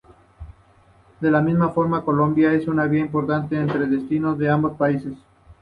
De la misma forma, Colonia es una vía importante entre destinos de ambos países.